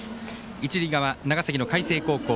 一塁側、長崎の海星高校。